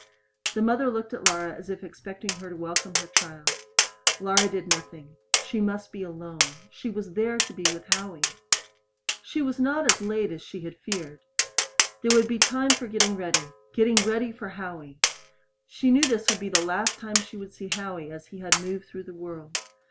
The mother looked at Laura, as if expecting her to welcome her child. Laura did nothing. She must be alone. She was there to be with Howie. She was not as late as she had feared. There would be time for getting ready getting ready for Howie! She knew this would be the last time she would see Howie as he had moved through the world.